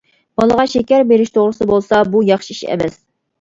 بالىغا شېكەر بېرىش توغرىسىدا بولسا، بۇ ياخشى ئىش ئەمەس.